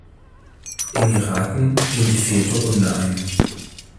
Emiraten, in die vierte Runde ein.